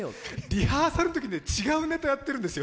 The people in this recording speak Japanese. リハーサルのときに違うネタやってるんですよ。